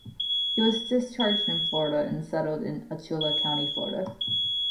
He was discharged in Florida and settled in Alachua County, Florida.